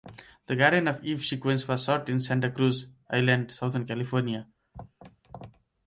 The Garden of Eve sequence was shot in the Santa Cruz Islands southern California.